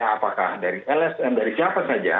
apakah dari lsm dari siapa saja